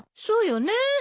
そうよね。